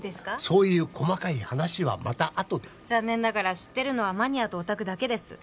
そういう細かい話はまたあとで残念ながら知ってるのはマニアとオタクだけです